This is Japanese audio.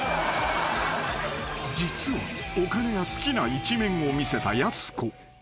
［実はお金が好きな一面を見せたやす子］